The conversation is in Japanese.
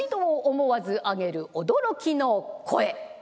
思わず上げる驚きの声。